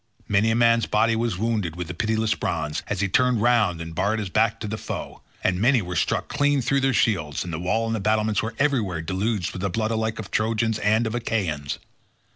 Many a man's body was wounded with the pitiless bronze, as he turned round and bared his back to the foe, and many were struck clean through their shields; the wall and battlements were everywhere deluged with the blood alike of Trojans and of Achaeans.